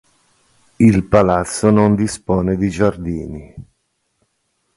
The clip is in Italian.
Il palazzo non dispone di giardini.